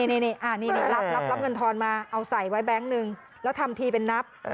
นี่รับเงินทอนมาเอาใส่ไว้แบงค์หนึ่งแล้วทำทีเป็นนับ